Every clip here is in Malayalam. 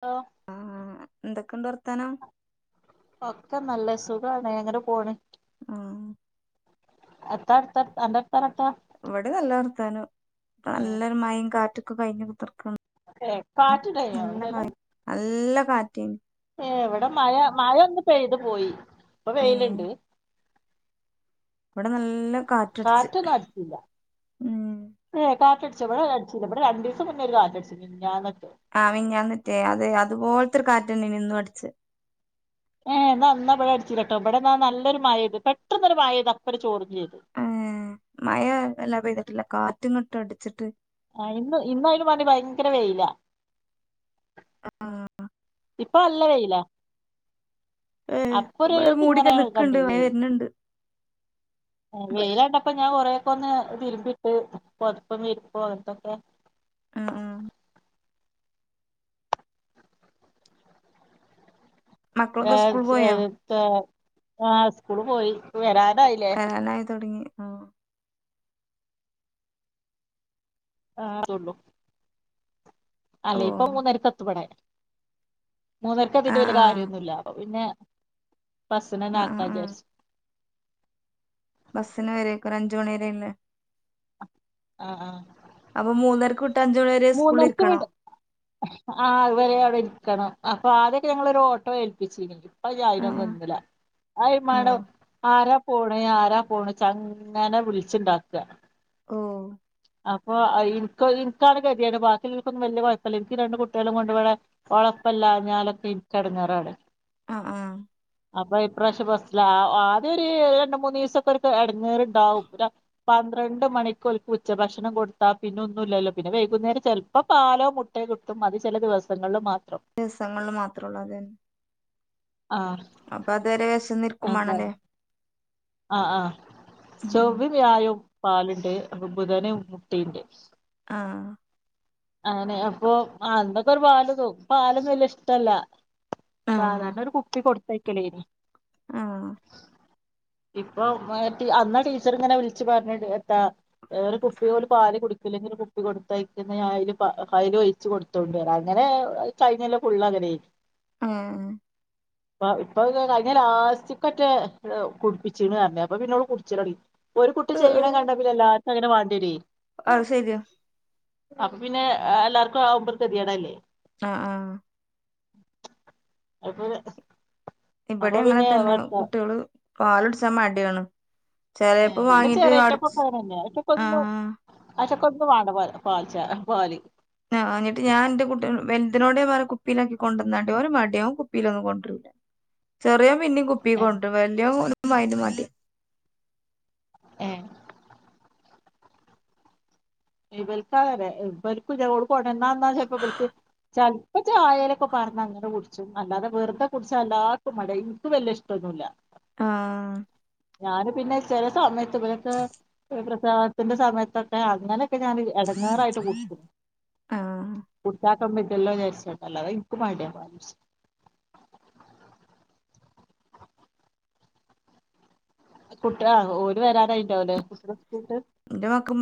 ഓ ആഹ് എന്തൊക്കെണ്ട് വർത്താനം ഒക്കെ നല്ല സുഗാണ് അങ്ങനെ പോണ് ആഹ് [unintelligible] ഇവിടെ നല്ല വർത്താനം ഏ നല്ലൊരു മയെം കാറ്റൊക്കെ കഴിഞ്ഞ് കുത്തിർക്ക ഏ കാറ്റുണ്ടായിനോ അവിടെല്ലാം നല്ല നല്ല കാറ്റെനു ഏ ഇവിടെ മഴ മഴ ഒന്ന് പെയ്ത് പോയി ഇപ്പ ഏഹ് വെയിലിണ്ട് ഇവിടെ നല്ല കാ കാറ്റൊന്നു അടിച്ചില്ല ഏ കാറ്റടിച്ചോ ഇവിടെ അടിചീല ഇവിടെ രണ്ട് ദിവസം മുന്നേ ഒരു കാറ്റടിച്ച് മിഞ്ഞാന്നാറ്റം ആ മിഞ്ഞാന്നറ്റെ അതെ അതുപോലത്തെരു കാറ്റന്നേനു ഇന്നു അടിച്ചേ ഏഹ എന്നാനാവിടെ അടിചില്ല കെട്ടോ ഇവിടൊ നല്ലൊരു മഴേത് പെട്ടന്നൊരു മഴ ഇത് അപ്പട് ചോറെം ചെയ്ത് ഏഹ് മഴ എല്ലാ പെയ്തിട്ടില്ല കാറ്റിങ്ങട്ടടിച്ചിട്ട് ആ ഇന്ന് ഇന്നായിനും വേണ്ടി ഭയങ്കര വെയില ആഹ് ഇപ്പൊ നല്ല വെയില ഏഹ് അപ്പൊ ഇവിടെ മൂടിക്കെ ര്ത്ങ്ങനെ നിക്ക്ണ്ട് മഴ കണ്ടിന്യു വര്ന്ണ്ട് വെയിലാണ്ടപ്പൊ ഞാൻ കൊറെക്കെ ഒന്ന് തിരുമ്പി ഇട്ട് പൊതപ്പും വിരിപ്പും അങ്ങനത്തൊക്കെ ആഹ് ആഹ് മക്കളൊക്കെ സ്കൂൾ പോയോ ആ സ്കൂള് പോയി വരാനായില്ലേ വെരാനായി തൊടങ്ങി ആഹ് ആതുള്ളൂ അല്ലേ ഇപ്പ ഓഹ് മൂന്നരക്കെത്തുബിടെ മൂന്നേരക്കെതിറ്റ് ആഹ് വല്യ ആഹ് കാര്യോന്നുല്ല അപ്പൊ പിന്നെ ബസ്സിനെന്നെ ആഹ് ആഹ് ആക്കാന്ന് ആഹ് വിചാരിച്ചു ബസ്സിന് വരരിക്കു ഒരഞ്ച് മണി വരയില്ലേ ആഹ് ആഹ് അപ്പൊ മൂന്നരക്ക് വിട്ട അഞ്ച് മണി വരേ സ്കൂളിലിരിക്കണോ ആ അതുവരെ അവിടെ ഇരിക്കണം അപ്പൊ ആദ്യോക്കെ ഞങ്ങളൊരു ഓട്ടോ ഏൽപ്പിച്ചിനി ഞാൻ ആ അതിനൊന്നും ന്നില്ല അയിനു മ ആ ണ്ടി ആരാ പോ ആരാ പോണിച്ച അങ്ങനെ വിളിച്ചിണ്ടാക്ക ഓഹ് അപ്പൊഇനിക്ക് ഇനിക്കാണ് കെത്യേട് ബാക്കി ഇല്ലൊരിക്കൊന്നും വല്യ കുഴപ്പമില്ല എനിക്ക് രണ്ട് കുട്ടികളും കൊണ്ട് ഇവടെ ഓളെപ്പെല്ലം അറിഞ്ഞാലൊക്കെ ഇനിക്കെടെങ്ങേറാണ് ആഹ് ആഹ് അപ്പൊ ഇപ്രാവശ്യ ബസ്സില ആദ്യം ഒരു രണ്ട് മൂന്ന് ദിവസൊക്കെ ഒരു ഇടങ്ങീറണ്ടാവും പന്ത്രണ്ട് മണിക്കോൽക്കു ഉച്ച ഭക്ഷണം കൊടുത്താ പിന്നൊന്നും ഇല്ലല്ലോ പിന്നെ വൈകുന്നേരം ചെലപ്പോ പാലോ മുട്ടയോ കിട്ടും അത് ചെല ദിവസങ്ങളിൽ മാത്രം ദിവസങ്ങളിൽ മാത്രേ ഉള്ളൂ അതെന്നേ ആഹ് അപ്പൊ അത്വരെ വെശന്നിരിക്കും വേ എന്താ ണല്ലേ ആഹ് ആഹ് ഉം ഉം. ചൊവ്വേം വ്യായോം പാലിണ്ട് ബുധന് മുട്ടിണ്ട് ആഹ് അങ്ങനെ അപ്പൊ എന്തങ്കു ഒരു വക്ക് പാലൊന്നും വല്യ ഇഷ്ടല്ല [unintelligible] ആ സാധാരണ ഒരു കുപ്പി കൊടുത്തയക്കലേനി ആഹ് ഇപ്പൊ അന്ന് ടീച്ചർ ഇങ്ങനെ വിളിച്ച് പറഞ്ഞ എത്താ ഒരു കുപ്പി ഓല് പാല് കുടിക്കില്ലെങ്കിൽ കുപ്പി കൊടുത്ത അ അതില് അതില് ഒഴിച്ച് കൊടുത്തോ കൊണ്ട് വരാം അങ്ങനെ കഴിഞ്ഞല്ലോ ഫുള്ള് അവര് ആ [inaudible] ഇപ്പൊ ഇപ്പോ കഴിഞ്ഞ ലാസ്റ്റതൊക്കെ കുടിപ്പിച്ചുന്ന് പറഞ്ഞു. അപ്പൊ പിന്നെ അവൾ കുടിച്ചില് തുടങ്ങി ഒരു കുട്ടി ഉ, ഉ. ചെയ്യണ കണ്ട പിന്നെഎല്ലാർക്കും അങ്ങനെ വേണ്ടി വരും. അത് ശരിയാ. അപ്പൊ പിന്നെ എല്ലാർക്കും ആവുമ്പോ തികയണല്ലേ? ആഹ് ആഹ് അപ്പൊഴ് ഇവിടെ അങ്ങനെ തന്നെ കുട്ടികള് പാല് കുടിച്ച മടിയാണ്. ഏഹ് ചിലപ്പോ എന്റെ വാങ്ങിട്ട് അട ചെറിയേറ്റക്കൊക്കെ അങ്ങനെന്നെ അയിറ്റക്കൊന്നും ആഹ് [unintelligible] ആഹ് എന്നിട്ട് ഞാൻ എന്റെ കുട്ടി നോട് എന്തിനോട് കുപ്പിയിലാക്കി കൊണ്ടുവന്നാണ്ടേ ഓന് മടിയ അവൻകുപ്പിയിലന്നും കൊണ്ടുവരില്ല. ചെറിയവൻ പിന്നെയും കുപ്പി ഏഹ് കൊണ്ടുവരും വലിയവൻ ഒനുക്കു ഭയങ്കര മടിയാ ഏഹ് ഇവൾക്ക് അതെ ഇപ്പോ [unintelligible] ചിലപ്പ ചായലൊക്കെ പറഞ്ഞാ അങ്ങനെ കുടിച്ചും. അല്ലാതെ വെറുതെ കുടിച്ച എല്ലാർക്കും മടയും. വല്യഇഷ്ട ഒന്നുമില്ല. ആഹ് ഞാന് പിന്നെ ചില സമയത്ത് ഇവരൊക്കെ പ്രസാദത്തിന്റെ സമയത്തൊക്കെ അങ്ങനെയൊക്കെ ഞാന് എടങ്ങാറിയിട്ട് കുടിക്കും. ആ [unintelligible] കുട്ടികള് ഓര് വരാരായിട്ടോ കുട്ടികൾ സ്കൂൾ വിട്ട് എന്റെ മോക്കും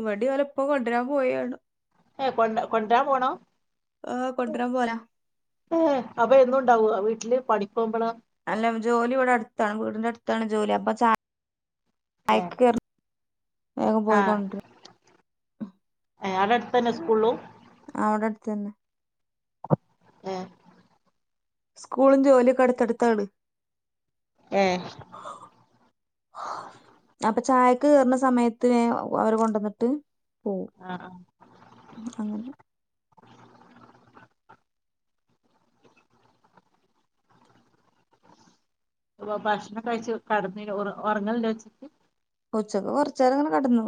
ഇവിടെയും ഇവരുടെ ഉപ്പ കൊണ്ടുവരാൻ പോയാണ്. ഏയ് കൊ കൊണ്ടുവരാൻ പോണോ? ആഹ് കൊണ്ടുവരാൻ പോല. ഏഹ് അപ്പൊ എന്നും ഉണ്ടാവുവോ വീട്ടില് പണിക്ക് പോകുമ്പളോ? അല്ല ജോലി ഇവിടെ അടുത്താണ് വീടിന്റെ അടുത്താണ് ജോലി അപ്പൊ ച ചായ ആഹ് അവിടെ അടുത്ത തന്നെ സ്കൂളും ആഹ് അവിടെ അടുത്ത് തന്നെ. ആഹ് സ്കൂളും ജോലിയൊക്കെ അടുത്തടുത്താണ്. ഏഹ് അപ്പൊ ചായക്ക് കേയറുന്ന സമയത്ത് അവര് കൊണ്ടുവന്നിട്ട് പോവും. ആഹ് അങ്ങനെ ഇപ്പ ഭക്ഷണം കഴിച്ച് കിടന്ന ഉറങ്ങണില്ല വെച്ചിട്ട് ഉച്ചക്ക് കൊറച്ച്ന്നേരം അങ്ങനെ കിടന്നു.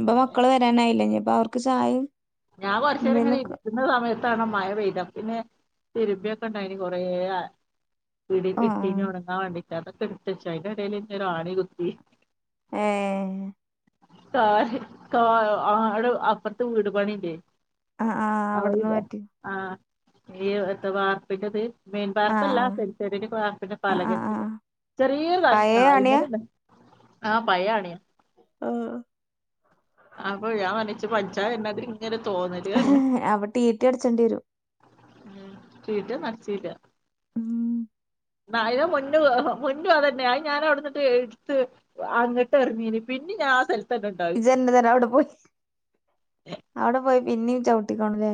ഇപ്പ മക്കള് വരാനായില്ലേ ഇനിയിപ്പ അവർക്ക് ചായയും ഞാൻ കുറച്ചുന്നേരം കഴിയും എന്തേലൊക്കെ ഇരിക്കുന്ന സമയത്താണ് മഴ പെയ്തത് പിന്നെ തിരുമ്പിയൊക്കെ ഉണ്ടായിന് കൊറേ ആ വീടിന്റെ ആ. ഇട്ടി ഉണങ്ങാൻ വേണ്ടിട്ടായിന്ന് കെടുത്തച്ച അതിന്റെ ഇടയിൽ എന്നെ ഒരു ആണി കുത്തി ഏഹ് കാ കാ ആടെ അപ്പുറത്ത് വീടു പണിഇല്ലേ ആഹ് ആഹ് അവിടുന്ന് പറ്റി. ആഹ് ഈ എന്തുവാ വാർപ്പിന്റത് മെയിൻ ആ പാർപ്പല്ല സെൻസെഡ്ന്റെ പാർപ്പിന്റെ ആ ആ ആ പാലക ആ. ചെറ്യേരു കഷ്ണ പഴയ ആഹ് അണിയാ അയ്മല് ആഹ് പയാ ആണിയാ ആഹ് അപ്പൊ ഞാൻ പറഞ്ഞ് ച്ച് പൻ ച്ചാ വര്നാതിരി ഇങ്ങനെ തോന്നല് അപ്പൊ ടീ ടീ അടച്ചേണ്ടിരും ഉം ടീ ടീ ന്നും അടിച്ചീല്ല ഉം നായിരെ മുന്നു ഹോ മുന്നു അതന്നെ ആഹ് ഞാന് അവിടന്നിട്ട് എടുത്ത് അങ്ങട്ട് എർഞ്ഞീഞ് പിന്നിം ഞാ [unintelligible] ഇജ്ജ് ന്നെ തെരാെ അവിടെ പോയി അവിടെ പോയി പിന്നിം ചവിട്ടിക്കോണല്ലേ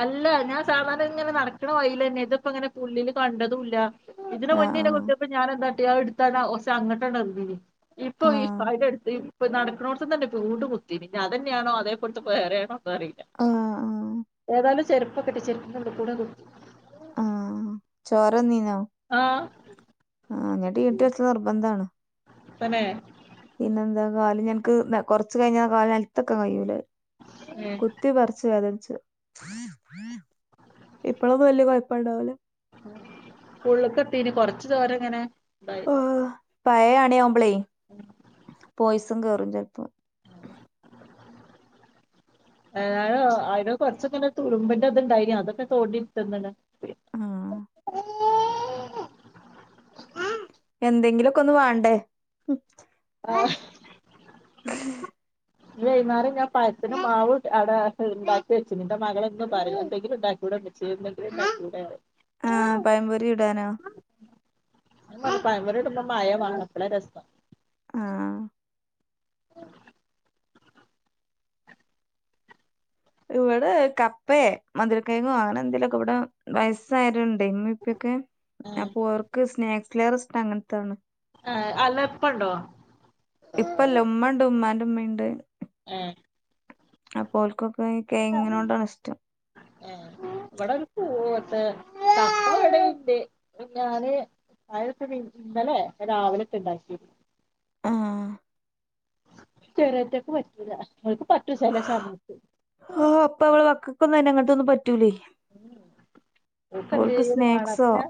അല്ല ഞാൻ സാധാരണ ഇങ്ങനെ നടക്ക്ണ വഴില് ന്നെ ഇത്പ്പോ ഇങ്ങനെ പുല്ലില് കണ്ടതുംല്ല ഇതിനെ മുന്നെ ആഹ് കുത്തിപ്പൊ ഞാന് ന്താട്ടി അഹ് എടുത്താണ്ട് ഒ സി അങ്ങട്ടാട്ട് റിഞ്ഞു ഇപ്പൊ ഈ ആഹ് പല എടുത്ത് ഇപ്പ നടക്കുന്നോടത്ത്ന്നന്നെ വീണ്ടും കുത്തിനി ഇഞ്ഞി അതന്നെയാണോ അതേപോൽത്തെ വേറെയാണോന്നും അറിയില്ല ആഹ് ആഹ് ആഹ് ഏതായാലും ചെരുപ്പൊക്കെ ഇട്ട് ചെരിപ്പ് ഉള്ള്കൂടെ കുത്തി ആഹ് ചോര വന്നിന്നോ ആഹ് ആഹ് ഞ്ഞി ടീ ടീ അടിച്ചല് നിർബന്ധാണ് തന്നെ പിന്നെന്താ കാല് ഞ്അൻക്ക് ല കൊറച്ച് കഴിഞ്ഞ കാല് നെൽത്തക്കാ കഴിയൂലഹ് ഏ കു ത്തി പറിച്ച് വേദനച്ച് ഇപ്പഴൊന്നും വല്യ കുഴപ്പണ്ടാവുല ഉള്ള്ക്കെത്തിനി കൊറച്ച് ദോരം ഇങ്ങനെ ന്താ ഉം പയയ ആണി ആവുമ്പോളേ പോയിസം കേറും ചെൽപ്പോ [unintelligible] അയില് കൊറച്ചൊക്കെനെ തുരുമ്പിന്റെ ത്ണ്ടായിനി അതൊക്കെ തോണ്ടിയിട്ടന്നണ് ആഹ് എന്തെങ്കിലുക്കൊന്ന് വാണ്ടേ ആഹ് [unintelligible] ഞ് വൈന്നാരം ഞാ പഴത്തിന് മാവ് [unintelligible] അട ഹ് ഇണ്ടാക്കി വെച്ചിന് ന്റെ മകളെന്നും പരലും എന്തെങ്കിലും ഉണ്ടാക്കികൂടെ [unintelligible] ച്ച്യേ ന്ന് ണ്ടാക്കൂടെറി ആഹ് പഴംപൊരി ഇടാനോ [unintelligible] പഴംപൊരി ഇടുമ്പോ മയം വാണം അപ്പളാ രസം ആഹ് ഇവ്ടെ കപ്പെ മധുര കെങ്ങോ അങ്ങനെ എന്തെങ്കലുക്കെ ഇവ്ടെ വയസ്സായോര് ണ്ട് ഇമ്മീം ഇപ്പീംക്കെ ആഹ് അപ്പോ ഓർക്ക് സ്നാക്സ്ലേറെ ഇസ്ട്ട അങ്ങൻത്താണ് ആഹ് അല്ല പ്പ ണ്ടോ ഇപ്പല്ല ഉമ്മണ്ട് ഉമ്മാന്റെ ഉമ്മിണ്ട് ഏഹ് അപ്പൊ ഓൽക്കൊക്കെ കെയങ്ങിനോടാണ് ഇഷ്ടം ഏഹ് ഇവ്ടെ [unintelligible] കപ്പ ഇവടെ ഇണ്ട് മിന്നെ ഞാന് [unintelligible] ഇന്നലെ രാവിലെറ്റെ ണ്ടാക്കീനി ആഹ് ചെറിയറ്റെക്ക് പറ്റൂല്ല ഓൾക് പറ്റു ചെലേ സമയത്ത് ഓഹ് പ്പമ്മളെ മക്കക്കൊന്നും അയ്‌ന് അങ്ങൻത്തൊന്നും പറ്റൂലേ ഓൾക്ക് ഓക്കെന്തേലും വാണം അപ്പ സ്നാക്സോ ഞാ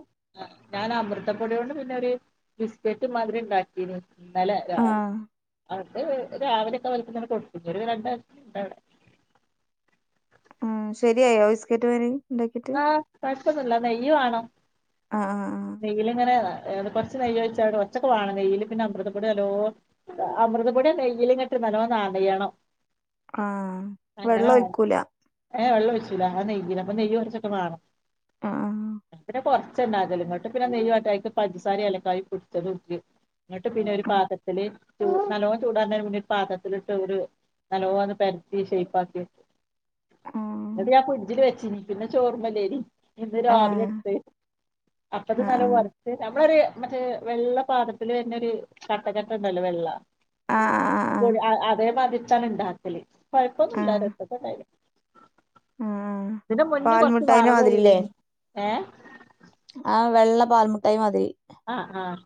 ഞാന് അമൃതപ്പൊടി കൊണ്ട് പിന്നെരു ബിസ്ക്കറ്റ് മാതിരി ഇണ്ടാക്കിന് ഇന്നലെ രാ ആ അവ്ട്ത്തെ ഹ് രാവിലെക്കെ വലിക്കുന്ന കൊടുത്ത്‌ ഒരു രണ്ടാഴ്ച ഉണ്ട് അവ്ടെ ആഹ് ശരിയായോ ബിസ്ക്കറ്റ് മാതിരി ആഹ് കൊഴപ്പൊന്നുല്ല നെയ്യ് വാണം ആ ആ നെയിലിങ്ങനെ ആഹ് അത് കൊറച്ച് നെയ്യൊഴിച്ചവിടെ കൊർച്ചൊക്കെ വാണം നെയ്യില് പിന്നെ അമൃതപൊടി നലോ അമൃതപൊടി ആ നെയ്യ്ല്ങ്ങട്ട് നല്ലോം നനയണം ആഹ് അങ്ങനെ വേണം വെള്ളൊഴിക്കൂല ഏഹ് വെള്ളൊയിച്ചൂല അത് നെയ്യ്ല് അപ്പൊ നെയ്യ് കൊർച്ചൊക്കെ വാണം ആഹ് ആഹ് ഞാ പിന്നെ കൊർച്ചേണ്ടാക്കല് ഇങ്ങട്ട് പിന്നെ നെയ്യ്റ്റ് ഐക്ക് പഞ്ചസാരിം ഏലക്കായിം പൊട്ച്ചതും അതേക്ക് ഇങ്ങട്ട് പിന്നെ ഒരു ആ പാത്രത്തില് നല്ലോണം ചൂടാർന്നെ മുന്നെ ഒര് പാത്രത്തിലിട്ട് ഒരു നല്ലോന്ന് പരത്തി ഷെയ്പ്പാക്കി വെക്കും ആ എന്ന്ട്ട് ഞാൻ ഫ്രിഡ്ജില് വെച്ചീനി പിന്നെ ചോറ്മലേനി ഇന്ന് ആ രാവിലെ എട്ത്തെ അപ്പത് ആ ആ നല്ലോം ഒ നമ്മളൊരു മറ്റേ വെള്ള പാത്രത്തില് വെര്ന്നൊര് കട്ടക്കട്ട ഇണ്ടല്ലോ വെള്ള ആ ആ ആ ആ അതേ മാതിര്ത്താണ് ഇണ്ടാക്കല് കൊഴപ്പൊന്നൂല്ല ആ രസൊക്കെ ഇണ്ടേനി ആ ആ ഇതിന്റെ മുന്നേ കൊർച്ച് പാൽമുട്ടായിന്റെ വറവ് ഏറീനി ഏഹ് ആഹ് വെള്ള പാൽമുട്ടായി മാതിരി ആഹ് ആഹ്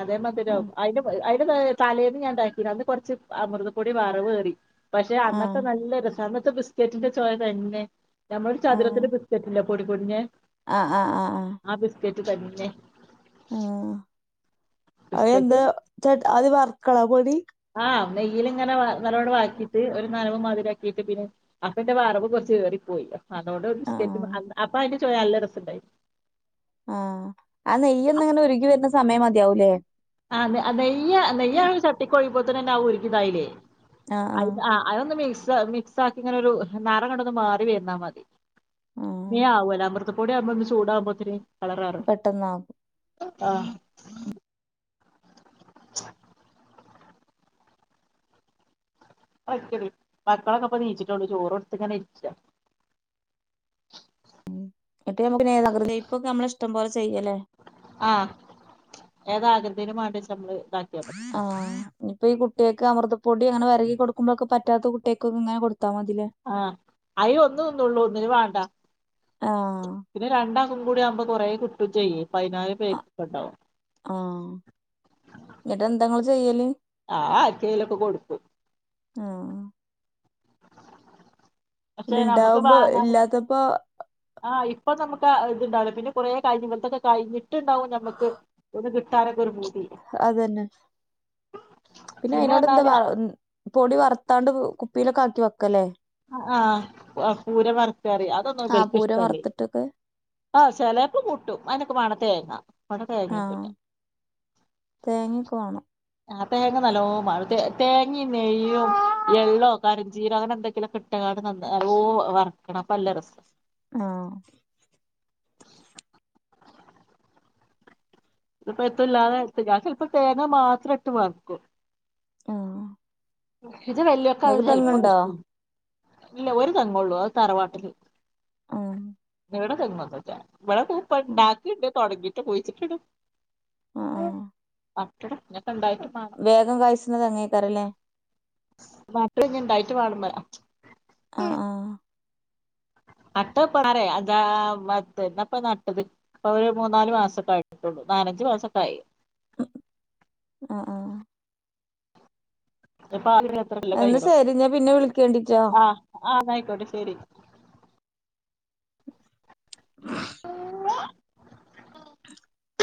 അതേ ആ മതിരാവും ഐൻ്റെ ഐന്റെ തലേന്ന് ഞാണ്ടാക്കീനി അന്ന് കൊർച്ച് അമൃതപ്പൊടി വറവേറി പക്ഷെ ആ അന്നത്തെ നല്ല രസ അന്നത്തെ ബിസ്ക്കറ്റിന്റെ ചൊയ തന്നെ നമ്മളൊരു ചതുരത്തിന്റെ ബിസ് ക്കേറ്റില്ലേ പോടിപൊട്ഞ്ഞെ ആഹ് ആഹ് ആഹ് ആഹ് ആ ബിസ്ക്കേറ്റ് തന്നെ ആഹ് അത് ബിസ്ക്കറ്റ് എന്താ ചട്ട് അത് വർക്കണോ പൊടി ആഹ് നെയ്യല്ങ്ങനെ നല്ലോട് വർക്കിട്ട് ഒരു നനവ് മാതിരി ആക്കീട്ട് പിന്നെ അപ്പന്റെ വറവ് കൊർച്ച് ഏറിപ്പോയി അതോണ്ട് ഒരു ആ ബിസ്കറ്റ് അപ അപ്പ ഐൻ്റെ ചൊയ നല്ല രസണ്ടായി ആഹ് ആ നെയ്യൊന്ന്ങ്ങനെ ഉരുകി വെര്ന്ന സമയം മതിയാവൂലേ ആ നെയ്യാ നെയ്യാ ചട്ടിക്കൊഴിമ്പോത്തിനെന്നെ അത് ഉരികി ഇതായില്ലേ ആ ആ അയ്ന ആഹ് അതൊന്ന് മിക്സ മിക്സാക്കി ഇങ്ങനൊരു നറങ്ങട്ടൊന്ന് മാറി വെര്ന്നാ മതി ആ മേം ആവോലോ അമൃതപ്പൊടി ആവ്മ്പോ ഒന്ന് ചൂടാകുമ്പോത്തിന് കളറ്‌മാറും പെട്ടെന്നാകും ആഹ് മക്കളൊക്കെ ഇപ്പൊ നീച്ച്ട്ടൊള്ളൂ ചോറ് കൊടുത്ത്ങ്ങനെ ഇരിക്കാ എന്നിട്ട് നമ്മക്ക് ഏതാകൃതി ശൈപ്പൊക്കെ നമ്മളെ ഇഷ്ടം പോലെ ചെയ്യല്ലേ ആഹ് ഏതാകൃതീല് മാണ്ടേച്ചാ നമ്മള് ഇതാ ആഹ് ഇപ്പൊ ഈ കുട്ട്യേക്ക് അമൃതപ്പൊടി അങ്ങനെ വരകി കൊടുക്ക്മ്പൊക്കെ പറ്റാത്ത കുട്ട്യേക്കൊക്കെങ്ങനെ കൊട്ത്താ മതിലെ ആഹ് അയ്ന് ഒന്ന് തിന്നൊള്ളൂ ഒന്നിന് വാണ്ട ആ പിന്നെ രണ്ടാക്കും കൂടി ആവുമ്പോ കൊറേ കിട്ടും ചെയ്യേ പൈനാല് പേക്ക്ണ്ടാവും ആഹ് ഇന്നെട്ടെന്ത ഇങ്ങള് ചെയ്യല് ആഹ് ആർക്കേലൊക്കെ കൊടുക്കും ആഹ് പക്ഷേ പിന്നെ നമ്മക്ക് ഇണ്ടാവുമ്പോ വാങ്ങാന് ഇല്ലാത്തപ്പോ ആഹ് ഇപ്പൊ നമക്ക് ഇത്ണ്ടാവൂല പിന്നെ കൊറേ കഴിഞ്ഞ് ഇങ്ങൻത്തൊക്കെ കഴിഞ്ഞ് ട്ട്ണ്ടാവും നമക്ക് ഒന്ന് കിട്ടാനൊക്കെ ഒരു പൂതി അതന്നെ. പിന്നെ അയ്നോട് എന്താ വ ഉം. പൊടി വർത്താണ്ട് കുപ്പീലൊക്കെ ആക്കി വെക്കലെ. ആഹ് ആഹ്. പൂരം വർക്കാറിം. അതൊന്നും ആഹ് ഇവര്ക്ക് പൂരം ഇഷ്ടല്ലെ. വറുത്തിട്ടൊക്കെ ആഹ് ചെലേപ്പം കൂട്ടും. അയ്നൊക്കെ വാണം തേങ്ങ. ഇവിടെ തേങ്ങയൊന്നുല്ല ആഹ്. തേങ്ങൊക്കെ വാണം. ആഹ് തേങ്ങ നല്ലോം വാണം. തേങ്ങിം, നെയ്യും, എള്ളോ, കരഞ്ചീരോ, അങ്ങനെ എന്തെങ്കിലൊക്കെ ഇട്ട് ക്കാണ്ട് നന്ന നല്ലോം വറ്ക്കണം. അപ്പം നല്ല രസാ ആഹ്. ഇതിപ്പെത്തുല്ലാതെ ഇട്ട്ക്കാണ്ട് ചെൽപ്പ തേങ്ങ മാത്രം ഇട്ട് വർക്കും. ആഹ്. ഇത് വല്യൊക്കെ ഇങ്ങക്ക് ചെൽപ്പൊക്കെ തെങ്ങ്ണ്ടോ ഇഷ്ട. [unintelligible] ഇല്ല ഒരു തെങ്ങള്ളൂ അത് തറവാട്ടില്. ആഹ് ഇവിടെ തെങ്ങൊന്നുല്ല. ഇവിടെ ഇപ്പ ആഹ് ഇണ്ടാക്കിണ്ട്. തൊടങ്ങിട്ട് കുഴിച്ചിട്ട്ണ്. ആഹ് ആഹ് അക്ക [unintelligible] ഇണ്ടായിട്ട് മാണം വേഗം കാഴ്ച്ച്ണ തെങ്ങേക്കാരംലെ. നാട്ട് ഇഞ് ഇണ്ടായിട്ട് വാണം പറ്യ. ആഹ്. ആഹ് നട്ടപ്പാറെ. അതാ മത്ത് എന്നപ്പ നട്ടത്. അപ്പൊ ഒരു മൂന്നാല് മാസൊക്കെ ആയിട്ടുള്ളൂ. നാലഞ്ച് മാസൊക്കായി. അഹ്. ആഹ്. പാവ [unintelligible] എന്ന ശെരി. ഞാ പിന്നെ വിളിക്കെണ്ടിട്ടൊ. ആഹ് ആഹ് ഇന്നായിക്കോട്ടെ ശെരി.